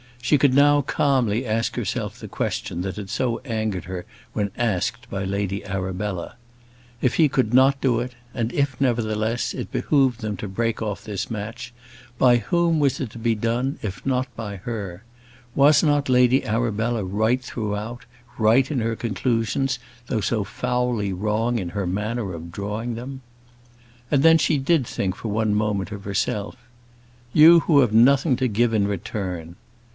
She could now calmly ask herself the question that had so angered her when asked by Lady Arabella. If he could not do it, and if, nevertheless, it behoved them to break off this match, by whom was it to be done if not by her? Was not Lady Arabella right throughout, right in her conclusions, though so foully wrong in her manner of drawing them? And then she did think for one moment of herself. "You who have nothing to give in return!"